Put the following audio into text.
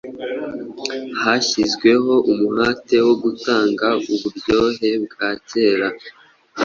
Hashyizweho umuhate wo gutanga uburyohe bwa kera